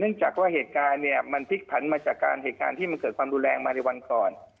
เนื่องจากว่าเหตุการณ์นี้มันพริกผลัญมาจากการเหตุการณ์ที่เกิดความดูแลมาในวันก่อน